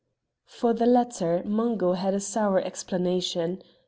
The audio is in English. For the latter Mungo had a sour explanation.